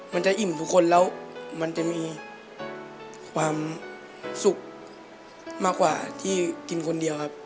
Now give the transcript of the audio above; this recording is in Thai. มันจะอิ่มทุกคนแล้วมันจะมีความสุขมากกว่าที่กินคนเดียวครับ